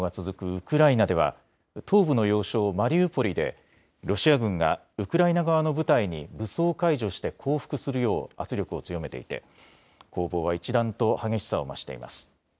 ウクライナでは東部の要衝マリウポリでロシア軍がウクライナ側の部隊に武装解除して降伏するよう圧力を強めていて攻防は一段と激しさを増しています。